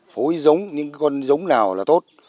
phối giống những con giống nào là tốt